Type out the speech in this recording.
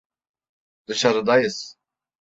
Dışarıdayız.